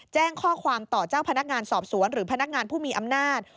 แจ้งข้อความต่อเจ้าพนักงานสอบสวนหรือพนักงานผู้มีอำนาจ